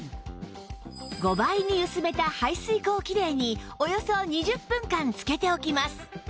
５倍に薄めた排水口キレイにおよそ２０分間つけておきます